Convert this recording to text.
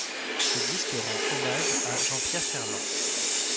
Ce disque rend hommage à Jean-Pierre Ferland.